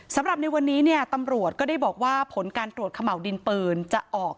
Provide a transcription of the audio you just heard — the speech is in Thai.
สำหรับในวันนี้เนี่ยตำรวจก็ได้บอกว่าผลการตรวจเขม่าวดินปืนจะออก